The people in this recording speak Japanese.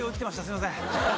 すみません。